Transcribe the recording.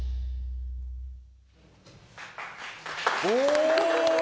お！